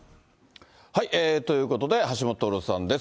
ということで、橋下徹さんです。